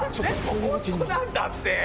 本当なんだって。